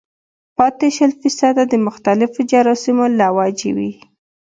پاتې شل فيصده د مختلفو جراثيمو له وجې وي